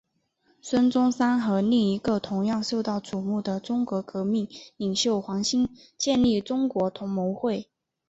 孙中山和另一个同样受到瞩目的中国革命领袖黄兴建立中国同盟会。